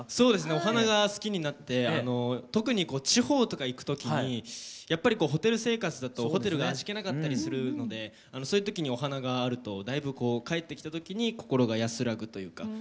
お花が好きになって特に地方とか行く時にやっぱりホテル生活だとホテルが味気なかったりするのでそういう時にお花があるとだいぶ帰ってきた時に心が安らぐというかそういうものがあるなって。